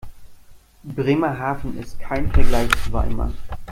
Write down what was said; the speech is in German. Bremerhaven ist kein Vergleich zu Weimar